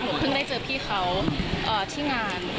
เพิ่งได้เจอพี่เขาที่งาน